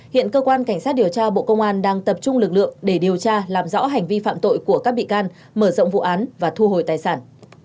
hiện cơ quan cảnh sát điều tra bộ công an đang tập trung lực lượng để điều tra làm rõ hành vi phạm tội của các bị can mở rộng vụ án và thu hồi tài sản